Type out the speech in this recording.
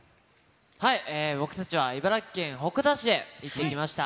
僕たちは茨城県鉾田市へ行ってきました。